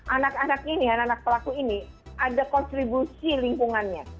anak anak ini anak anak pelaku ini ada kontribusi lingkungannya